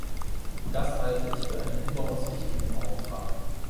Das halte ich für einen überaus wichtigen Auftrag.